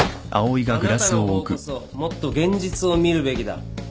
あなたの方こそもっと現実を見るべきだ。